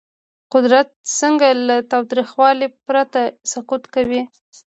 قدرت څنګه له تاوتریخوالي پرته سقوط کوي؟